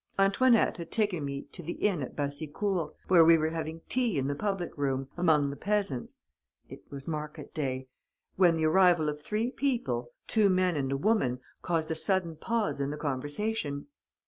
Antoinette had taken me to the inn at Bassicourt, where we were having tea in the public room, among the peasants (it was market day), when the arrival of three people, two men and a woman, caused a sudden pause in the conversation.